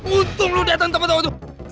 untung lo datang tempat tempat itu